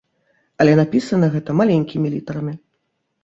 Але напісана гэта маленькімі літарамі.